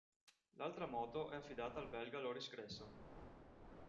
L'altra moto è affidata al belga Loris Cresson.